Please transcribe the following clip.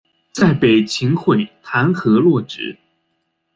再被秦桧弹劾落职。